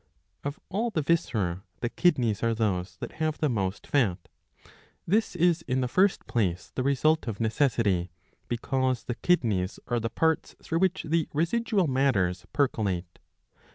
Of all the viscera the kidneys are those that have the most fat.^^ This is in the first place the result of necessity, because the kidneys are the parts through which the residual matters percolate.